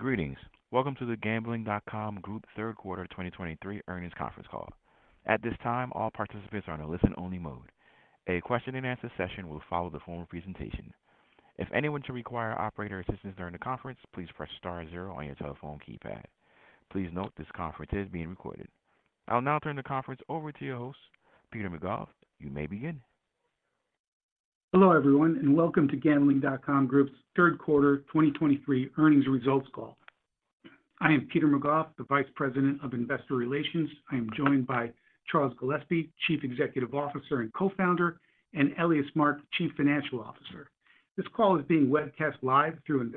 Greetings. Welcome to the Gambling.com Group third quarter 2023 earnings conference call. At this time, all participants are in a listen-only mode. A question-and-answer session will follow the formal presentation. If anyone should require operator assistance during the conference, please press star zero on your telephone keypad. Please note, this conference is being recorded. I'll now turn the conference over to your host, Peter McGough. You may begin. Hello, everyone, and welcome to Gambling.com Group's third quarter 2023 earnings results call. I am Peter McGough, the Vice President of Investor Relations. I am joined by Charles Gillespie, Chief Executive Officer and Co-founder, and Elias Mark, Chief Financial Officer. This call is being webcast live through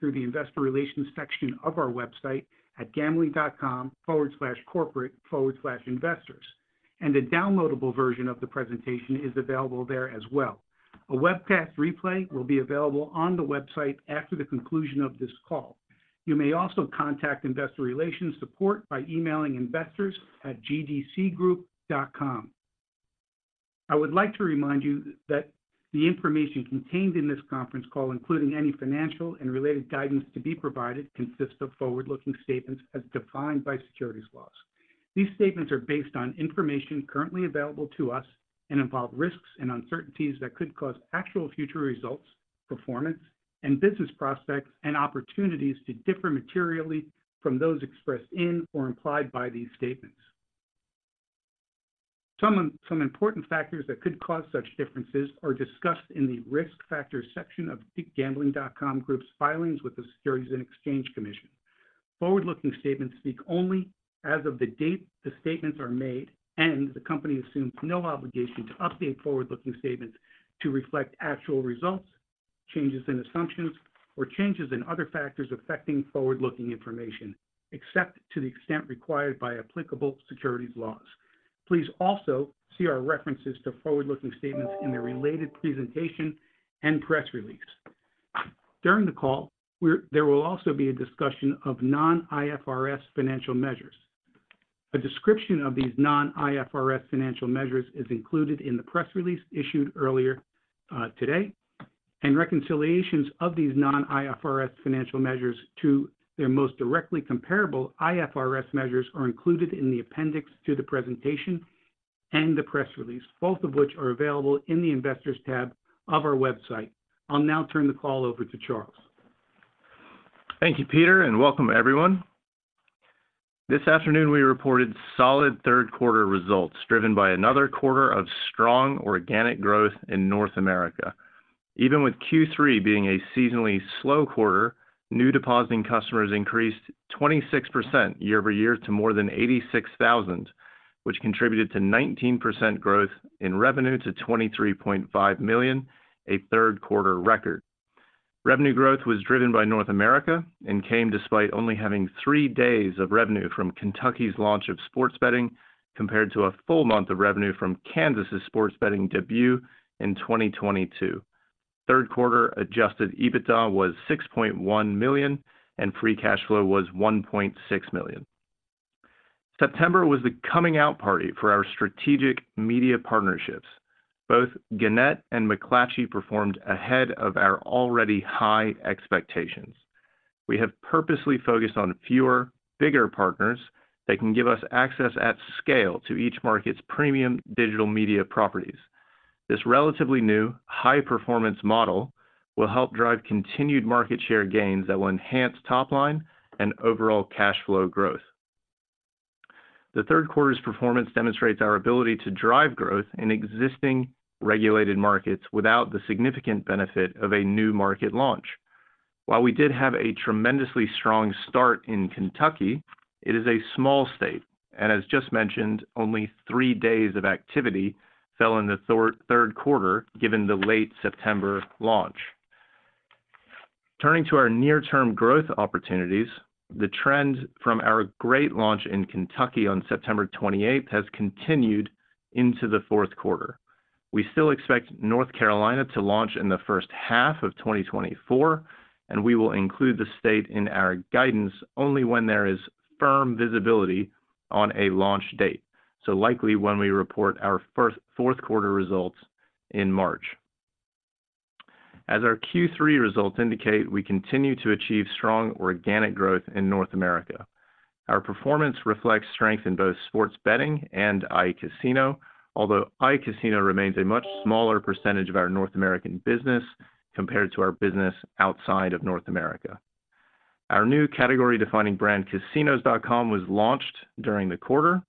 the investor relations section of our website at gambling.com/corporate/investors, and a downloadable version of the presentation is available there as well. A webcast replay will be available on the website after the conclusion of this call. You may also contact Investor Relations support by emailing investors@gdcgroup.com. I would like to remind you that the information contained in this conference call, including any financial and related guidance to be provided, consists of forward-looking statements as defined by securities laws. These statements are based on information currently available to us and involve risks and uncertainties that could cause actual future results, performance, and business prospects and opportunities to differ materially from those expressed in or implied by these statements. Some important factors that could cause such differences are discussed in the Risk Factors section of the Gambling.com Group's filings with the Securities and Exchange Commission. Forward-looking statements speak only as of the date the statements are made, and the company assumes no obligation to update forward-looking statements to reflect actual results, changes in assumptions, or changes in other factors affecting forward-looking information, except to the extent required by applicable securities laws. Please also see our references to forward-looking statements in the related presentation and press release. During the call, there will also be a discussion of non-IFRS financial measures. A description of these non-IFRS financial measures is included in the press release issued earlier today, and reconciliations of these non-IFRS financial measures to their most directly comparable IFRS measures are included in the appendix to the presentation and the press release, both of which are available in the Investors tab of our website. I'll now turn the call over to Charles. Thank you, Peter, and welcome, everyone. This afternoon, we reported solid third quarter results, driven by another quarter of strong organic growth in North America. Even with Q3 being a seasonally slow quarter, new depositing customers increased 26% year-over-year to more than 86,000, which contributed to 19% growth in revenue to $23.5 million, a third quarter record. Revenue growth was driven by North America and came despite only having three days of revenue from Kentucky's launch of sports betting, compared to a full month of revenue from Kansas' sports betting debut in 2022. Third quarter Adjusted EBITDA was $6.1 million, and Free Cash Flow was $1.6 million. September was the coming out party for our strategic media partnerships. Both Gannett and McClatchy performed ahead of our already high expectations. We have purposely focused on fewer, bigger partners that can give us access at scale to each market's premium digital media properties. This relatively new, high-performance model will help drive continued market share gains that will enhance top line and overall cash flow growth. The third quarter's performance demonstrates our ability to drive growth in existing regulated markets without the significant benefit of a new market launch. While we did have a tremendously strong start in Kentucky, it is a small state, and as just mentioned, only three days of activity fell in the third quarter, given the late September launch. Turning to our near-term growth opportunities, the trend from our great launch in Kentucky on September 28th has continued into the fourth quarter. We still expect North Carolina to launch in the first half of 2024, and we will include the state in our guidance only when there is firm visibility on a launch date, so likely when we report our Q4 results in March. As our Q3 results indicate, we continue to achieve strong organic growth in North America. Our performance reflects strength in both sports betting and iCasino, although iCasino remains a much smaller percentage of our North American business compared to our business outside of North America. Our new category-defining brand, Casinos.com, was launched during the quarter.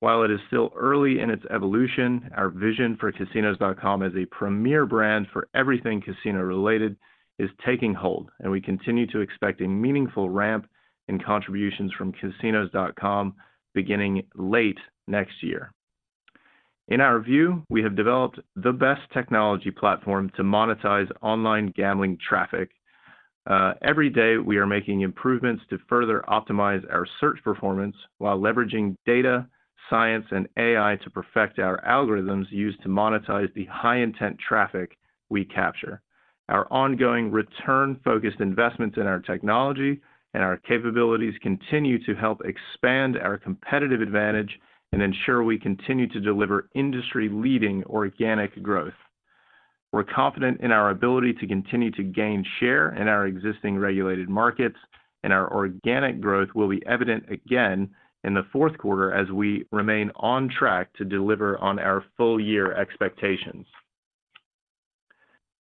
While it is still early in its evolution, our vision for Casinos.com as a premier brand for everything casino-related is taking hold, and we continue to expect a meaningful ramp in contributions from Casinos.com beginning late next year. In our view, we have developed the best technology platform to monetize online gambling traffic. Every day, we are making improvements to further optimize our search performance while leveraging data, science, and AI to perfect our algorithms used to monetize the high-intent traffic we capture. Our ongoing return-focused investments in our technology and our capabilities continue to help expand our competitive advantage and ensure we continue to deliver industry-leading organic growth.... We're confident in our ability to continue to gain share in our existing regulated markets, and our organic growth will be evident again in the fourth quarter as we remain on track to deliver on our full year expectations.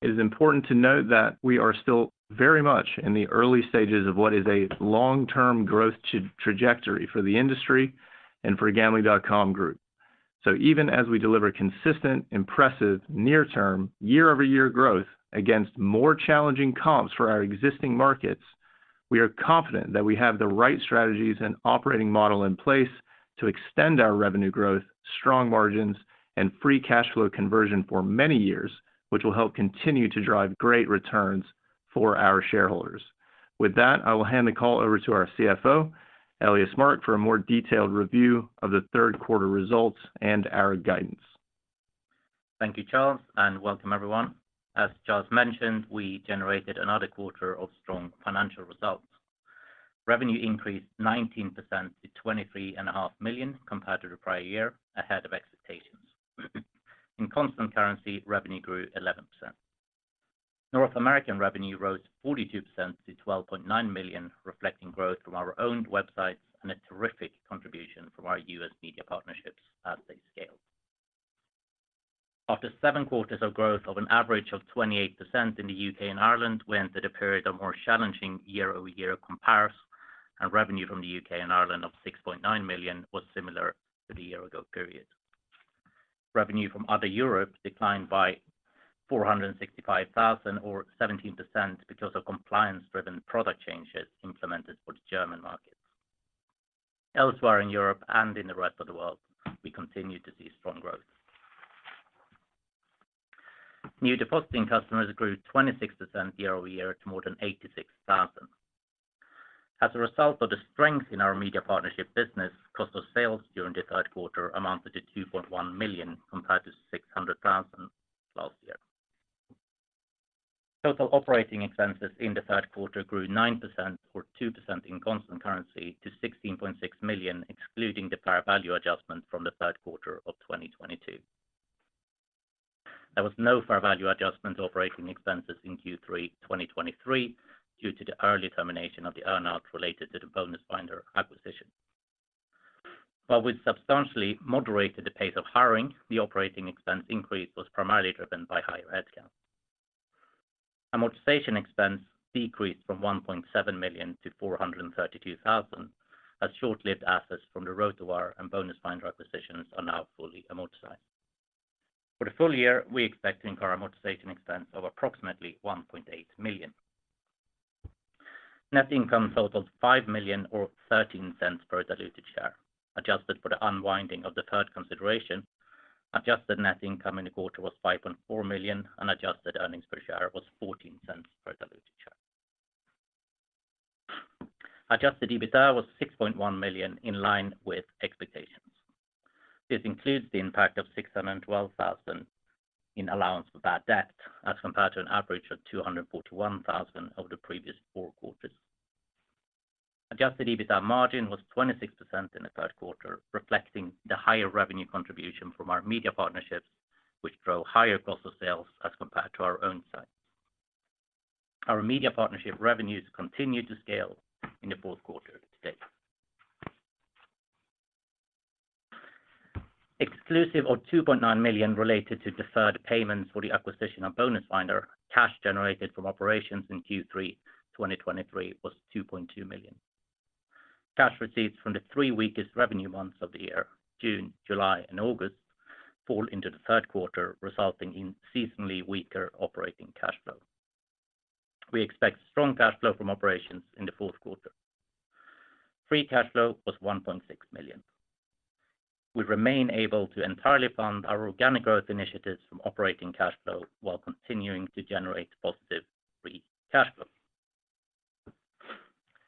It is important to note that we are still very much in the early stages of what is a long-term growth trajectory for the industry and for Gambling.com Group. Even as we deliver consistent, impressive, near-term, year-over-year growth against more challenging comps for our existing markets, we are confident that we have the right strategies and operating model in place to extend our revenue growth, strong margins, and Free Cash Flow conversion for many years, which will help continue to drive great returns for our shareholders. With that, I will hand the call over to our CFO, Elias Mark, for a more detailed review of the third quarter results and our guidance. Thank you, Charles, and welcome everyone. As Charles mentioned, we generated another quarter of strong financial results. Revenue increased 19% to $23.5 million compared to the prior year, ahead of expectations. In constant currency, revenue grew 11%. North American revenue rose 42% to $12.9 million, reflecting growth from our own websites and a terrific contribution from our U.S. media partnerships as they scale. After seven quarters of growth of an average of 28% in the U.K. and Ireland, we entered a period of more challenging year-over-year comparison, and revenue from the U.K. and Ireland of $6.9 million was similar to the year ago period. Revenue from Other Europe declined by $465,000, or 17%, because of compliance-driven product changes implemented for the German markets. Elsewhere in Europe and in the rest of the world, we continued to see strong growth. New depositing customers grew 26% year-over-year to more than 86,000. As a result of the strength in our media partnership business, cost of sales during the third quarter amounted to $2.1 million, compared to $600,000 last year. Total operating expenses in the third quarter grew 9%, or 2% in constant currency, to $16.6 million, excluding the fair value adjustment from the third quarter of 2022. There was no fair value adjustment operating expenses in Q3 2023, due to the early termination of the earn-out related to the BonusFinder acquisition. While we substantially moderated the pace of hiring, the operating expense increase was primarily driven by higher headcount. Amortization expense decreased from $1.7 million to $432,000, as short-lived assets from the RotoWire and BonusFinder acquisitions are now fully amortized. For the full year, we expect to incur amortization expense of approximately $1.8 million. Net income totaled $5 million or $0.13 per diluted share, adjusted for the unwinding of the deferred consideration. Adjusted net income in the quarter was $5.4 million, and adjusted earnings per share was $0.14 per diluted share. Adjusted EBITDA was $6.1 million, in line with expectations. This includes the impact of $612,000 in allowance for bad debt, as compared to an average of $241,000 over the previous four quarters. Adjusted EBITDA margin was 26% in the third quarter, reflecting the higher revenue contribution from our media partnerships, which drove higher cost of sales as compared to our own sites. Our media partnership revenues continued to scale in the fourth quarter to date. Exclusive of $2.9 million related to deferred payments for the acquisition of BonusFinder, cash generated from operations in Q3 2023 was $2.2 million. Cash receipts from the three weakest revenue months of the year, June, July, and August, fall into the third quarter, resulting in seasonally weaker operating cash flow. We expect strong cash flow from operations in the fourth quarter. Free cash flow was $1.6 million. We remain able to entirely fund our organic growth initiatives from operating cash flow while continuing to generate positive free cash flow.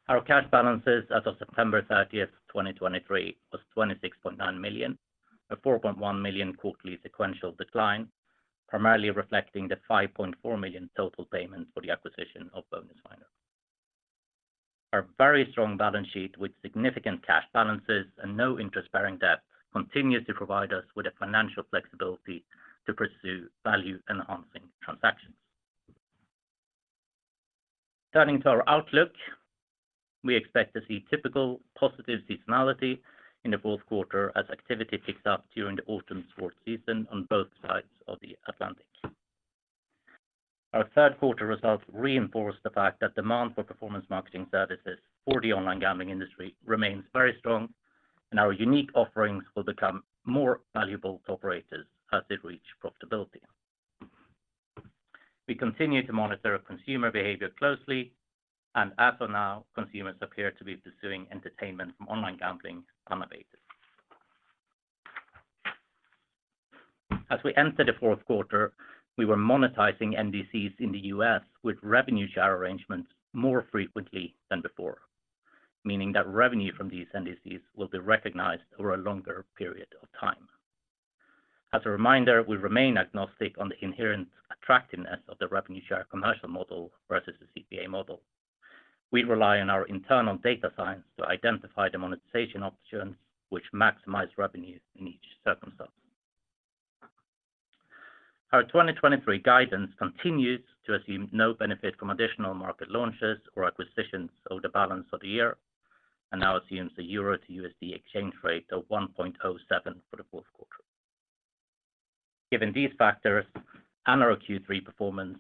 Our cash balances as of September 30th, 2023, was $26.9 million, a $4.1 million quarterly sequential decline, primarily reflecting the $5.4 million total payment for the acquisition of BonusFinder. Our very strong balance sheet with significant cash balances and no interest-bearing debt, continues to provide us with the financial flexibility to pursue value-enhancing transactions. Turning to our outlook, we expect to see typical positive seasonality in the fourth quarter as activity picks up during the autumn sports season on both sides of the Atlantic. Our third quarter results reinforce the fact that demand for performance marketing services for the online gambling industry remains very strong, and our unique offerings will become more valuable to operators as they reach profitability. We continue to monitor our consumer behavior closely, and as for now, consumers appear to be pursuing entertainment from online gambling on a basis. As we enter the fourth quarter, we were monetizing NDCs in the U.S. with revenue share arrangements more frequently than before, meaning that revenue from these NDCs will be recognized over a longer period of time. As a reminder, we remain agnostic on the inherent attractiveness of the revenue share commercial model versus the CPA model... we rely on our internal data science to identify the monetization options which maximize revenue in each circumstance. Our 2023 guidance continues to assume no benefit from additional market launches or acquisitions over the balance of the year, and now assumes a EUR to USD exchange rate of 1.07 for the fourth quarter. Given these factors and our Q3 performance,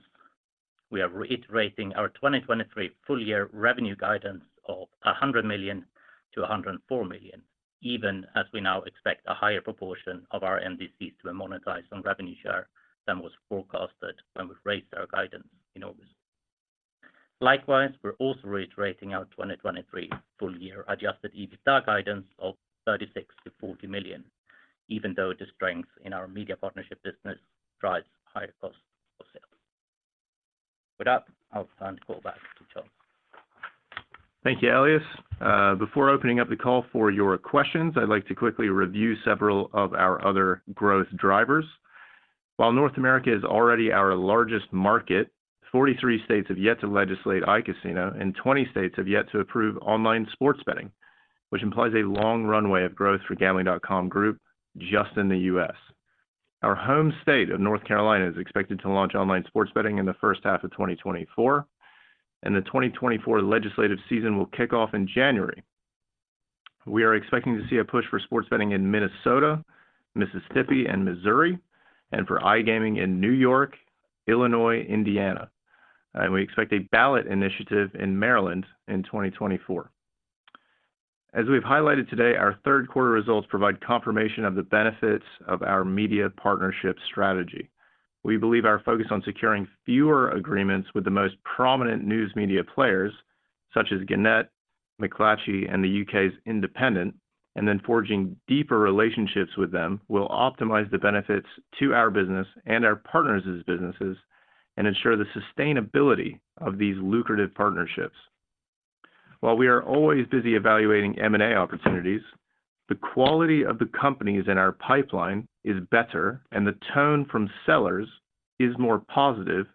we are reiterating our 2023 full year revenue guidance of $100 million-$104 million, even as we now expect a higher proportion of our NDC to be monetized on revenue share than was forecasted when we raised our guidance in August. Likewise, we're also reiterating our 2023 full year Adjusted EBITDA guidance of $36 million-$40 million, even though the strength in our media partnership business drives higher cost of sales. With that, I'll turn the call back to John. Thank you, Elias. Before opening up the call for your questions, I'd like to quickly review several of our other growth drivers. While North America is already our largest market, 43 states have yet to legislate iCasino, and 20 states have yet to approve online sports betting, which implies a long runway of growth for Gambling.com Group just in the U.S. Our home state of North Carolina is expected to launch online sports betting in the first half of 2024, and the 2024 legislative season will kick off in January. We are expecting to see a push for sports betting in Minnesota, Mississippi, and Missouri, and for iGaming in New York, Illinois, Indiana. And we expect a ballot initiative in Maryland in 2024. As we've highlighted today, our third quarter results provide confirmation of the benefits of our media partnership strategy. We believe our focus on securing fewer agreements with the most prominent news media players, such as Gannett, McClatchy, and the U.K.'s Independent, and then forging deeper relationships with them, will optimize the benefits to our business and our partners' businesses and ensure the sustainability of these lucrative partnerships. While we are always busy evaluating M&A opportunities, the quality of the companies in our pipeline is better, and the tone from sellers is more positive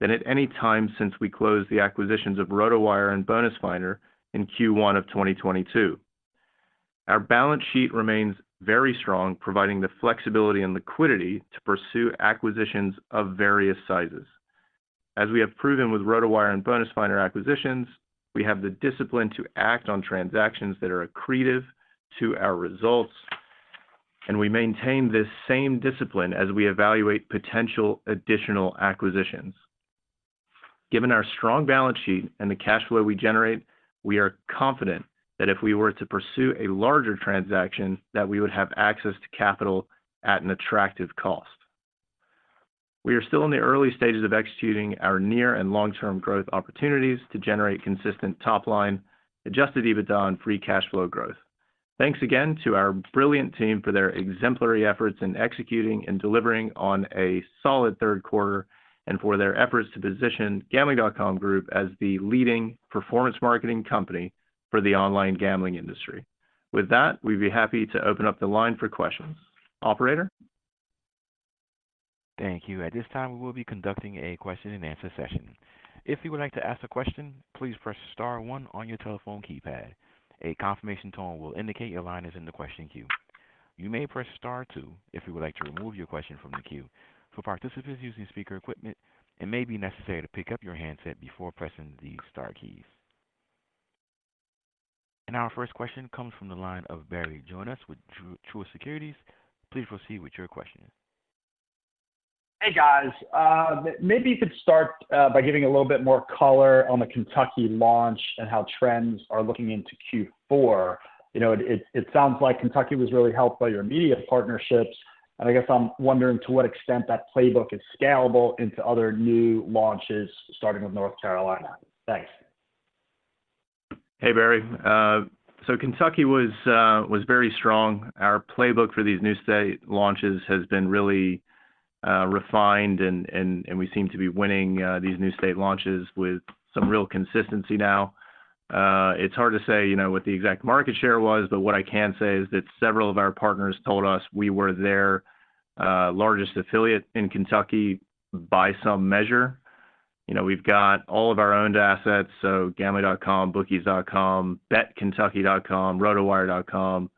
than at any time since we closed the acquisitions of RotoWire and BonusFinder in Q1 of 2022. Our balance sheet remains very strong, providing the flexibility and liquidity to pursue acquisitions of various sizes. As we have proven with RotoWire and BonusFinder acquisitions, we have the discipline to act on transactions that are accretive to our results, and we maintain this same discipline as we evaluate potential additional acquisitions. Given our strong balance sheet and the cash flow we generate, we are confident that if we were to pursue a larger transaction, that we would have access to capital at an attractive cost. We are still in the early stages of executing our near and long-term growth opportunities to generate consistent top line Adjusted EBITDA and Free Cash Flow growth. Thanks again to our brilliant team for their exemplary efforts in executing and delivering on a solid third quarter, and for their efforts to position Gambling.com Group as the leading Performance Marketing company for the online gambling industry. With that, we'd be happy to open up the line for questions. Operator? Thank you. At this time, we will be conducting a question-and-answer session. If you would like to ask a question, please press star one on your telephone keypad. A confirmation tone will indicate your line is in the question queue. You may press star two if you would like to remove your question from the queue. For participants using speaker equipment, it may be necessary to pick up your handset before pressing the star keys. And our first question comes from the line of Barry Jonas with Truist Securities. Please proceed with your question. Hey, guys. Maybe you could start by giving a little bit more color on the Kentucky launch and how trends are looking into Q4. You know, it sounds like Kentucky was really helped by your media partnerships, and I guess I'm wondering to what extent that playbook is scalable into other new launches, starting with North Carolina. Thanks. Hey, Barry. So Kentucky was very strong. Our playbook for these new state launches has been really refined, and we seem to be winning these new state launches with some real consistency now. It's hard to say, you know, what the exact market share was, but what I can say is that several of our partners told us we were their largest affiliate in Kentucky by some measure. You know, we've got all of our own assets, so Gambling.com, Bookies.com, BetKentucky.com, RotoWire.com,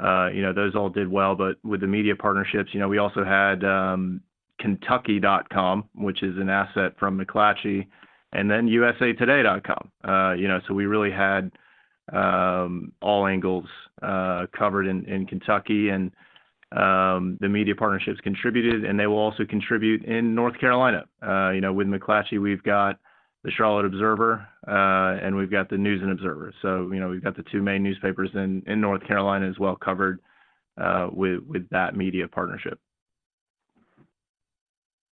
you know, those all did well. But with the media partnerships, you know, we also had Kentucky.com, which is an asset from McClatchy, and then USAToday.com. You know, so we really had all angles covered in Kentucky, and the media partnerships contributed, and they will also contribute in North Carolina. You know, with McClatchy, we've got the Charlotte Observer, and we've got the News & Observer. So, you know, we've got the two main newspapers in North Carolina as well covered, with that media partnership.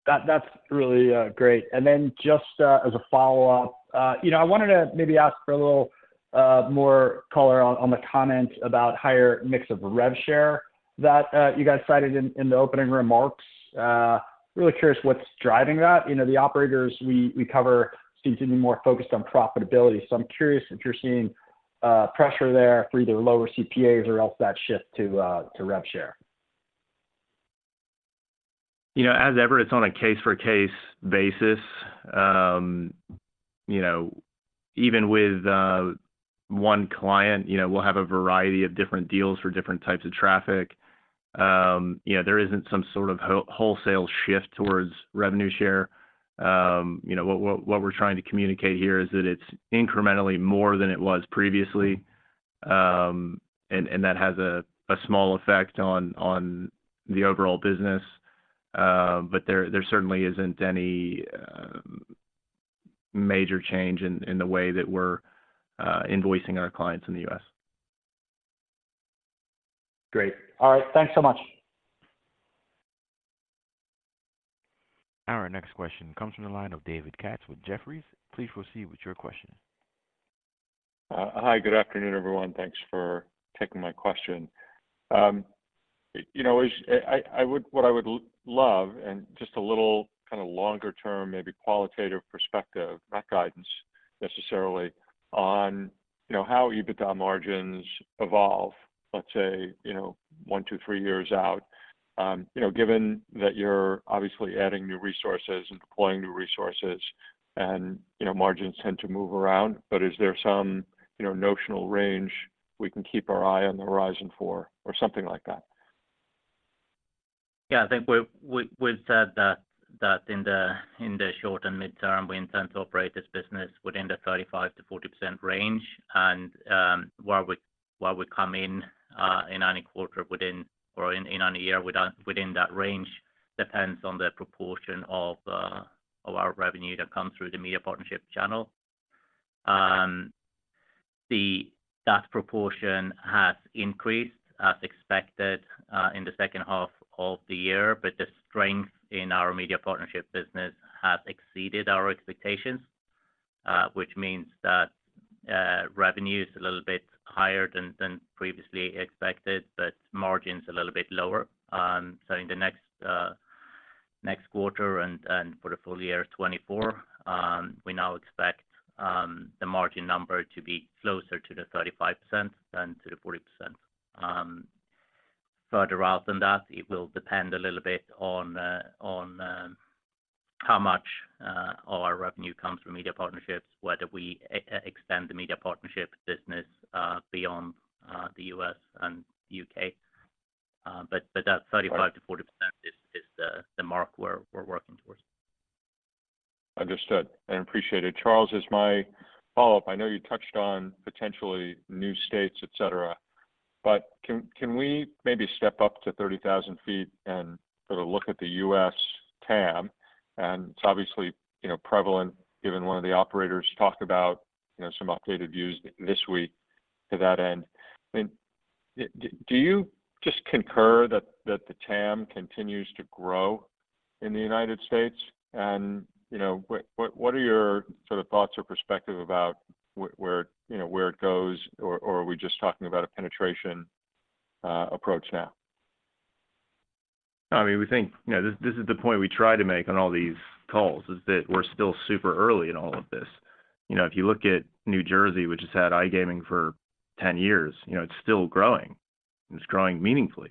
That, that's really, great. And then just, as a follow-up, you know, I wanted to maybe ask for a little, more color on, on the comment about higher mix of rev share that, you guys cited in, in the opening remarks. Really curious what's driving that. You know, the operators we, we cover seem to be more focused on profitability, so I'm curious if you're seeing, pressure there for either lower CPAs or else that shift to, to rev share?... You know, as ever, it's on a case-by-case basis. You know, even with one client, you know, we'll have a variety of different deals for different types of traffic. You know, there isn't some sort of wholesale shift towards revenue share. You know, what we're trying to communicate here is that it's incrementally more than it was previously, and that has a small effect on the overall business. But there certainly isn't any major change in the way that we're invoicing our clients in the U.S. Great. All right. Thanks so much. Our next question comes from the line of David Katz with Jefferies. Please proceed with your question. Hi, good afternoon, everyone. Thanks for taking my question. You know, as I would love, and just a little kind of longer term, maybe qualitative perspective, not guidance necessarily, on, you know, how EBITDA margins evolve, let's say, you know, one to three years out. You know, given that you're obviously adding new resources and deploying new resources and, you know, margins tend to move around, but is there some, you know, notional range we can keep our eye on the horizon for or something like that? Yeah, I think we've said that in the short and mid-term, we intend to operate this business within the 35%-40% range. And where we come in in any quarter within or in any year within that range depends on the proportion of our revenue that comes through the media partnership channel. That proportion has increased as expected in the second half of the year, but the strength in our media partnership business has exceeded our expectations, which means that revenue is a little bit higher than previously expected, but margin's a little bit lower. So in the next quarter and for the full year 2024, we now expect the margin number to be closer to the 35% than to the 40%. Further out than that, it will depend a little bit on how much our revenue comes from media partnerships, whether we expand the media partnership business beyond the U.S. and U.K. But that 35%-40% is the mark we're working towards. Understood and appreciated. Charles, as my follow-up, I know you touched on potentially new states, et cetera, but can we maybe step up to thirty thousand feet and sort of look at the U.S. TAM? And it's obviously, you know, prevalent, given one of the operators talked about, you know, some updated views this week to that end. I mean, do you just concur that the TAM continues to grow in the United States? And, you know, what are your sort of thoughts or perspective about where, you know, where it goes, or are we just talking about a penetration approach now? I mean, we think, you know, this, this is the point we try to make on all these calls, is that we're still super early in all of this. You know, if you look at New Jersey, which has had iGaming for 10 years, you know, it's still growing, and it's growing meaningfully.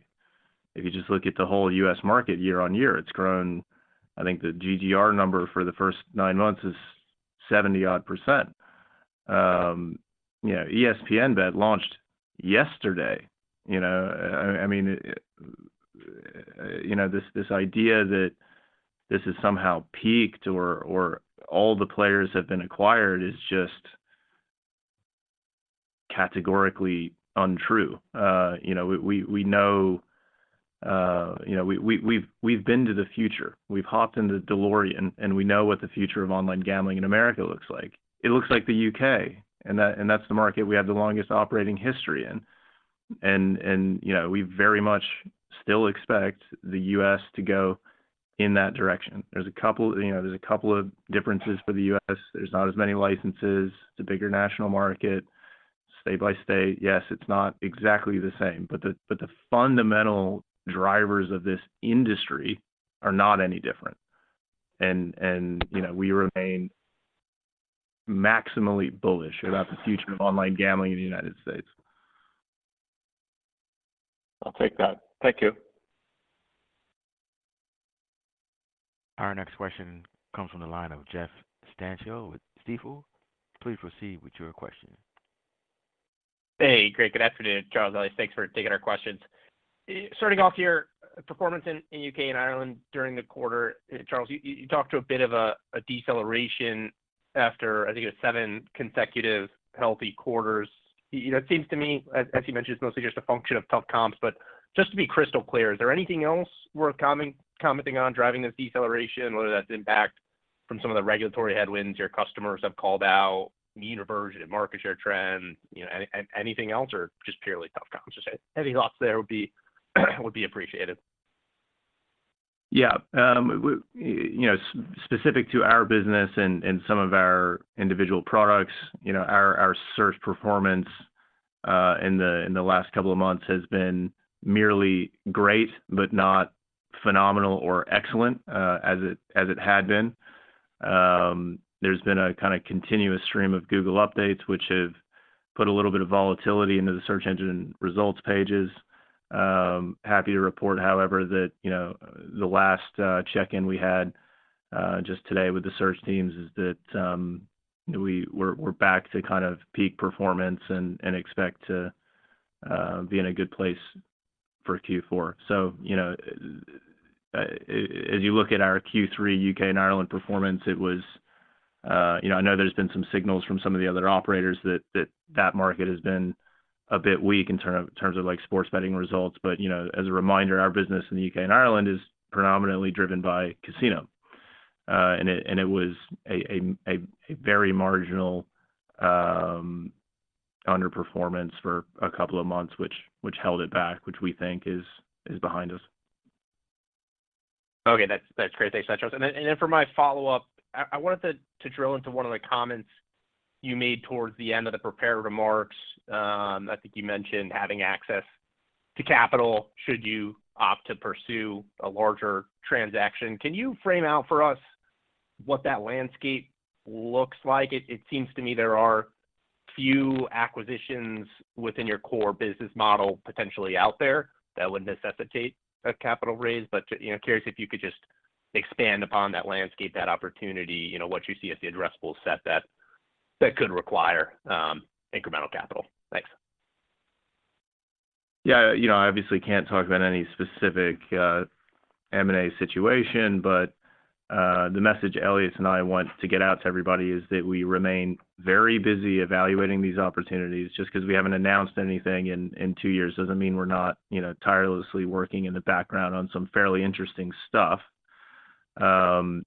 If you just look at the whole U.S. market year-on-year, it's grown... I think the GGR number for the first 9 months is 70-odd%. You know, ESPN Bet launched yesterday, you know? I mean, you know, this, this idea that this is somehow peaked or, or all the players have been acquired is just categorically untrue. You know, we know, you know, we've been to the future. We've hopped into the DeLorean, and we know what the future of online gambling in America looks like. It looks like the U.K., and that, and that's the market we have the longest operating history in. And, you know, we very much still expect the U.S. to go in that direction. There's a couple, you know, there's a couple of differences for the U.S. There's not as many licenses. It's a bigger national market, state by state. Yes, it's not exactly the same, but the fundamental drivers of this industry are not any different. And, you know, we remain maximally bullish about the future of online gambling in the United States. I'll take that. Thank you. Our next question comes from the line of Jeff Stantial with Stifel. Please proceed with your question. Hey, great. Good afternoon, Charles. Thanks for taking our questions. Starting off here, performance in U.K. and Ireland during the quarter, Charles, you talked to a bit of a deceleration after, I think it was seven consecutive healthy quarters. You know, it seems to me, as you mentioned, it's mostly just a function of tough comps, but just to be crystal clear, is there anything else worth commenting on driving this deceleration, whether that's impact from some of the regulatory headwinds your customers have called out, need a version of market share trend, you know, anything else, or just purely tough comps? Just any thoughts there would be appreciated. Yeah. You know, specific to our business and some of our individual products, you know, our search performance in the last couple of months has been merely great, but not phenomenal or excellent, as it had been. There's been a kind of continuous stream of Google updates which have put a little bit of volatility into the search engine results pages. Happy to report, however, that, you know, the last check-in we had just today with the search teams is that, we're back to kind of peak performance and expect to be in a good place for Q4. So, you know, as you look at our Q3 U.K. and Ireland performance, it was, you know, I know there's been some signals from some of the other operators that that market has been a bit weak in terms of like sports betting results. But, you know, as a reminder, our business in the U.K. and Ireland is predominantly driven by casino. And it was a very marginal underperformance for a couple of months, which held it back, which we think is behind us. Okay, that's, that's great. Thanks, Charles. And then, and then for my follow-up, I, I wanted to, to drill into one of the comments you made towards the end of the prepared remarks. I think you mentioned having access to capital, should you opt to pursue a larger transaction. Can you frame out for us what that landscape looks like? It, it seems to me there are few acquisitions within your core business model potentially out there that would necessitate a capital raise. But, you know, curious if you could just expand upon that landscape, that opportunity, you know, what you see as the addressable set that, that could require, incremental capital. Thanks. Yeah, you know, I obviously can't talk about any specific, M&A situation, but, the message Elias and I want to get out to everybody is that we remain very busy evaluating these opportunities. Just 'cause we haven't announced anything in two years, doesn't mean we're not, you know, tirelessly working in the background on some fairly interesting stuff. And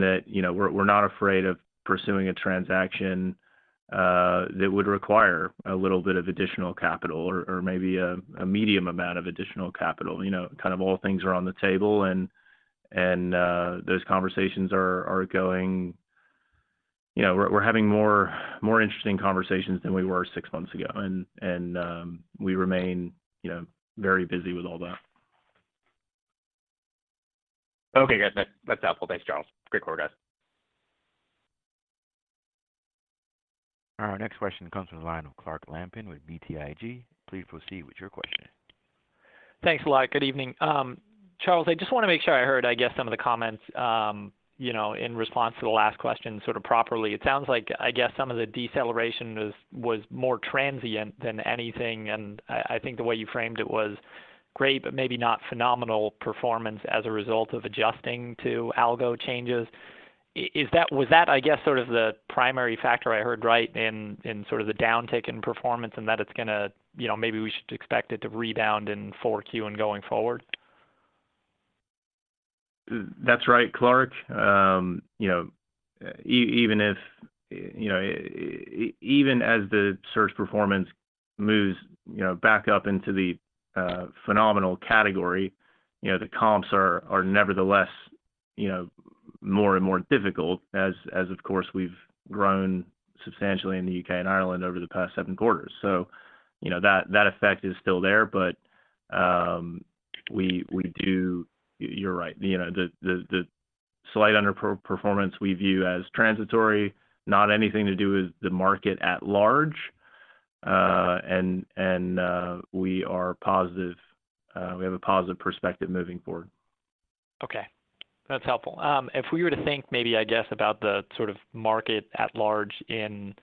that, you know, we're not afraid of pursuing a transaction, that would require a little bit of additional capital or maybe a medium amount of additional capital. You know, kind of all things are on the table, and those conversations are going. You know, we're having more interesting conversations than we were six months ago, and we remain, you know, very busy with all that. Okay, good. That, that's helpful. Thanks, Charles. Great quarter, guys. Our next question comes from the line of Clark Lampen with BTIG. Please proceed with your question. Thanks a lot. Good evening. Charles, I just wanna make sure I heard, I guess, some of the comments, you know, in response to the last question, sort of, properly. It sounds like, I guess, some of the deceleration was more transient than anything, and I think the way you framed it was great, but maybe not phenomenal performance as a result of adjusting to algo changes. Was that, I guess, sort of, the primary factor I heard, right, in sort of, the downtick in performance, and that it's gonna, you know, maybe we should expect it to rebound in 4Q and going forward? That's right, Clark. You know, even if, you know, even as the search performance moves, you know, back up into the phenomenal category, you know, the comps are nevertheless, you know, more and more difficult, as of course, we've grown substantially in the U.K. and Ireland over the past seven quarters. So, you know, that effect is still there. But, we do... You're right. You know, the slight underperformance we view as transitory, not anything to do with the market at large. And we are positive, we have a positive perspective moving forward. Okay, that's helpful. If we were to think maybe, I guess, about the sort of market at large in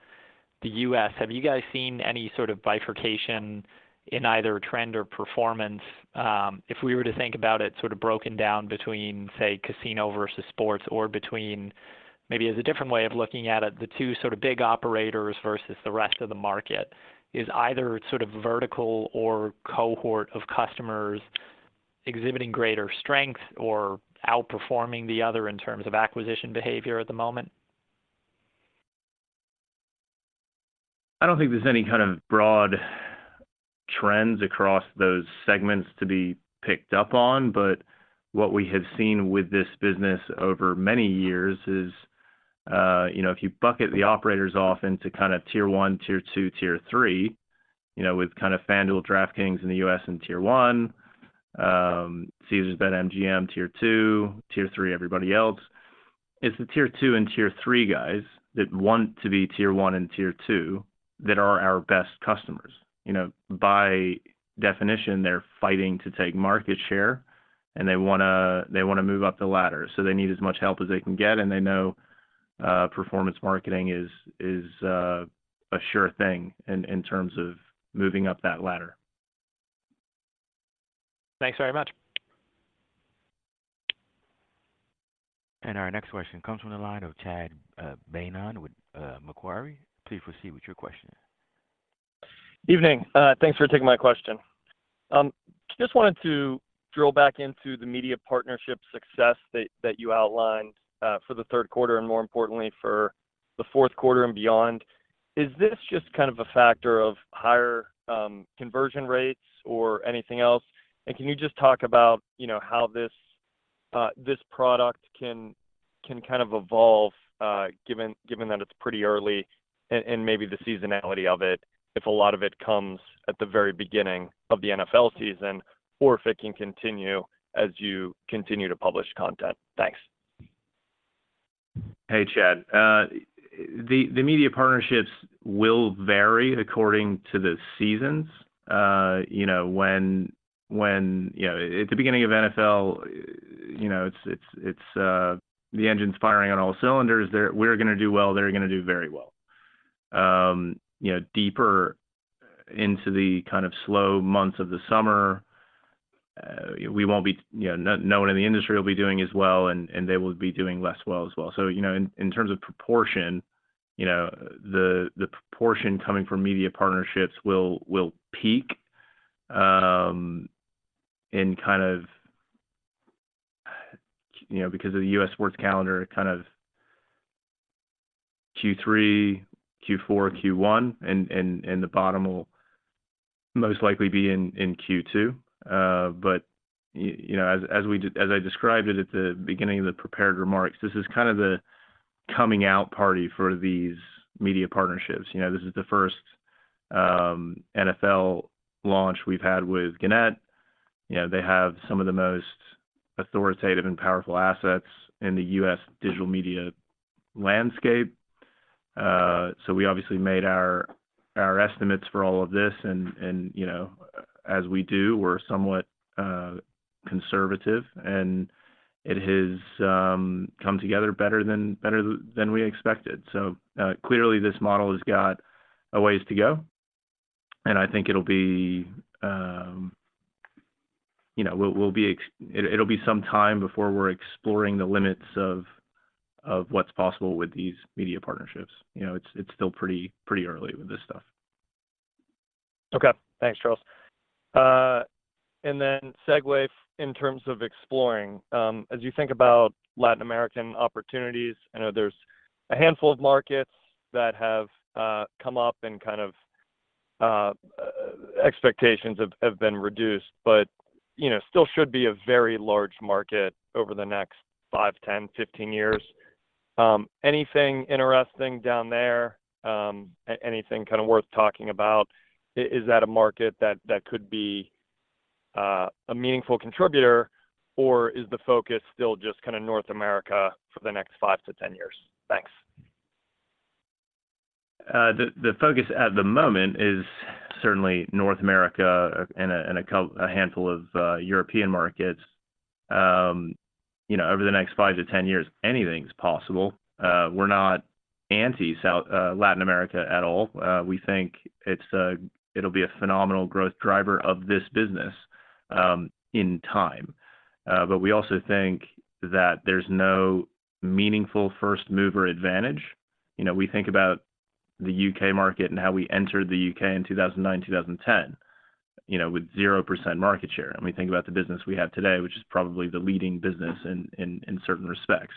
the U.S., have you guys seen any sort of bifurcation in either trend or performance? If we were to think about it, sort of, broken down between, say, casino versus sports or between, maybe as a different way of looking at it, the two sort of big operators versus the rest of the market. Is either sort of vertical or cohort of customers exhibiting greater strength or outperforming the other in terms of acquisition behavior at the moment? I don't think there's any kind of broad trends across those segments to be picked up on, but what we have seen with this business over many years is, you know, if you bucket the operators off into kind of tier one, tier two, tier three, you know, with kind of FanDuel, DraftKings in the U.S. in tier one, Caesars, BetMGM, tier two, tier three, everybody else. It's the tier two and tier three guys that want to be tier one and tier two, that are our best customers. You know, by definition, they're fighting to take market share, and they wanna they wanna move up the ladder, so they need as much help as they can get, and they know, performance marketing is a sure thing in terms of moving up that ladder. Thanks very much. Our next question comes from the line of Chad Beynon with Macquarie. Please proceed with your question. Evening. Thanks for taking my question. Just wanted to drill back into the media partnership success that you outlined for the third quarter and more importantly, for the fourth quarter and beyond. Is this just kind of a factor of higher conversion rates or anything else? And can you just talk about, you know, how this product can kind of evolve given that it's pretty early and maybe the seasonality of it, if a lot of it comes at the very beginning of the NFL season, or if it can continue as you continue to publish content? Thanks.... Hey, Chad. The media partnerships will vary according to the seasons. You know, when you know, at the beginning of NFL, you know, it's the engine's firing on all cylinders. They're we're gonna do well, they're gonna do very well. You know, deeper into the kind of slow months of the summer, we won't be, you know, no one in the industry will be doing as well, and they will be doing less well as well. So, you know, in terms of proportion, you know, the proportion coming from media partnerships will peak in kind of, you know, because of the U.S. sports calendar, kind of Q3, Q4, Q1, and the bottom will most likely be in Q2. But you know, as I described it at the beginning of the prepared remarks, this is kind of the coming out party for these media partnerships. You know, this is the first NFL launch we've had with Gannett. You know, they have some of the most authoritative and powerful assets in the U.S. digital media landscape. So we obviously made our estimates for all of this and, you know, as we do, we're somewhat conservative, and it has come together better than we expected. So clearly, this model has got a ways to go, and I think it'll be, you know, it'll be some time before we're exploring the limits of what's possible with these media partnerships. You know, it's still pretty early with this stuff. Okay. Thanks, Charles. And then segue in terms of exploring, as you think about Latin American opportunities, I know there's a handful of markets that have come up and kind of expectations have been reduced. But, you know, still should be a very large market over the next 5 years, 10 years, 15 years. Anything interesting down there? Anything kind of worth talking about? Is that a market that could be a meaningful contributor, or is the focus still just kind of North America for the next 5 years-10 years? Thanks. The focus at the moment is certainly North America and a handful of European markets. You know, over the next five years-10 years, anything's possible. We're not anti-South Latin America at all. We think it'll be a phenomenal growth driver of this business, in time. But we also think that there's no meaningful first-mover advantage. You know, we think about the U.K. market and how we entered the U.K. in 2009, 2010, you know, with 0% market share, and we think about the business we have today, which is probably the leading business in certain respects.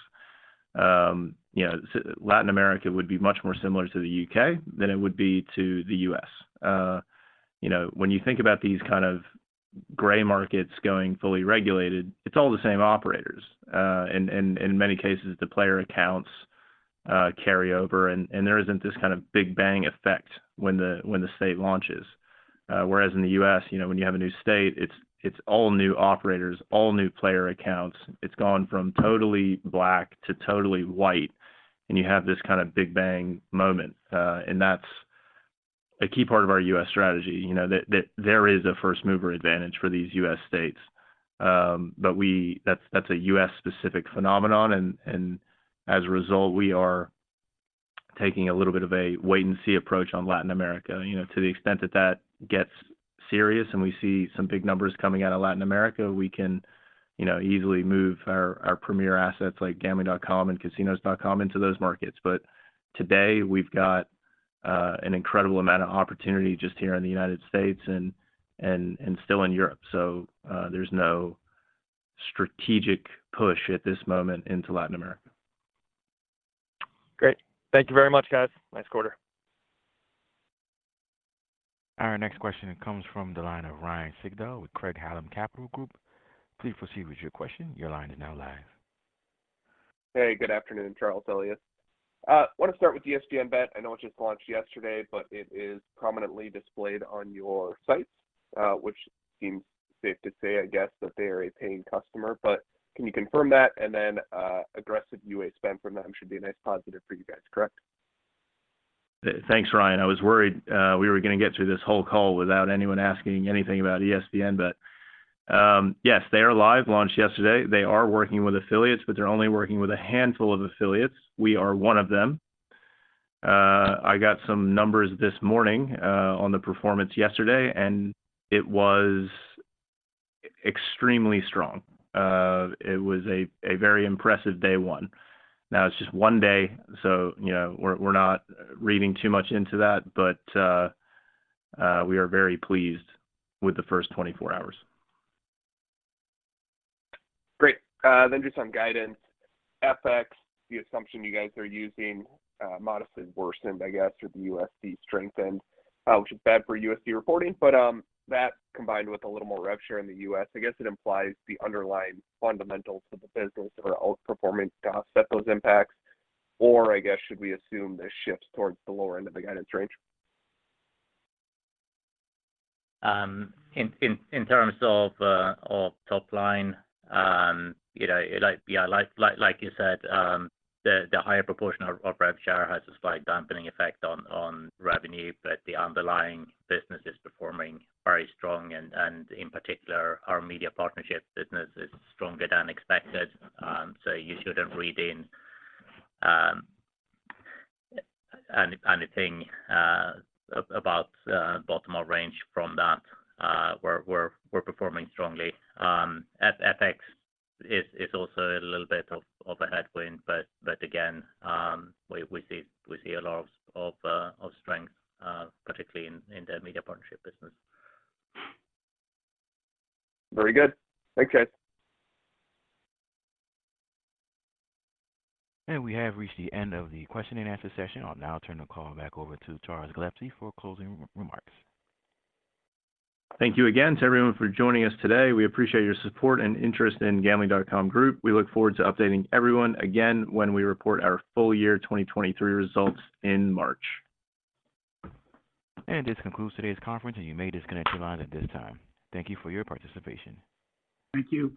You know, Latin America would be much more similar to the U.K. than it would be to the U.S. You know, when you think about these kind of gray markets going fully regulated, it's all the same operators. And, and in many cases, the player accounts carry over and, and there isn't this kind of big bang effect when the state launches. Whereas in the U.S., you know, when you have a new state, it's all new operators, all new player accounts. It's gone from totally black to totally white, and you have this kind of big bang moment, and that's a key part of our U.S. strategy. You know, that there is a first-mover advantage for these U.S. states. But we... That's a U.S.-specific phenomenon, and as a result, we are taking a little bit of a wait-and-see approach on Latin America. You know, to the extent that that gets serious, and we see some big numbers coming out of Latin America, we can, you know, easily move our premier assets like Gambling.com and Casinos.com into those markets. But today, we've got an incredible amount of opportunity just here in the United States and still in Europe. So, there's no strategic push at this moment into Latin America. Great. Thank you very much, guys. Nice quarter. Our next question comes from the line of Ryan Sigdahl with Craig-Hallum Capital Group. Please proceed with your question. Your line is now live. Hey, good afternoon, Charles Gillespie. I want to start with ESPN Bet. I know it just launched yesterday, but it is prominently displayed on your sites, which seems safe to say, I guess, that they are a paying customer, but can you confirm that? And then, aggressive UA spend from them should be a nice positive for you guys, correct? Thanks, Ryan. I was worried, we were gonna get through this whole call without anyone asking anything about ESPN, but, yes, they are live, launched yesterday. They are working with affiliates, but they're only working with a handful of affiliates. We are one of them. I got some numbers this morning, on the performance yesterday, and it was extremely strong. It was a very impressive day one. Now, it's just one day, so, you know, we're not reading too much into that, but, we are very pleased with the first 24 hours. Great. Then just on guidance, FX, the assumption you guys are using, modestly worsened, I guess, with the USD strengthened, which is bad for USD reporting, but that combined with a little more rev share in the U.S., I guess it implies the underlying fundamentals of the business are outperforming to offset those impacts. Or, I guess, should we assume this shifts towards the lower end of the guidance range? In terms of top line, you know, like, yeah, like you said, the higher proportion of rev share has a slight dampening effect on revenue, but the underlying business is performing very strong and in particular, our media partnership business is stronger than expected. So you shouldn't read in anything about bottom or range from that. We're performing strongly. FX is also a little bit of a headwind, but again, we see a lot of strength, particularly in the media partnership business. Very good. Thanks, guys. We have reached the end of the question and answer session. I'll now turn the call back over to Charles Gillespie for closing remarks. Thank you again to everyone for joining us today. We appreciate your support and interest in Gambling.com Group. We look forward to updating everyone again when we report our full year 2023 results in March. This concludes today's conference, and you may disconnect your lines at this time. Thank you for your participation. Thank you.